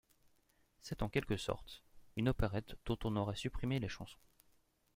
C’est, en quelque sorte, une opérette dont on aurait supprimé les chansons.